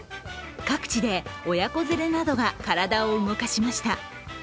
各地で親子連れなどが体を動かしました。